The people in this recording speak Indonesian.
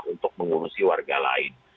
untuk mengurusi warga lain